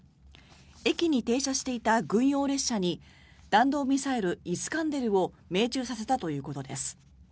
駅に停車していた軍用列車に弾道ミサイル、イスカンデルを命中させたということです。